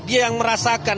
dia yang merasakan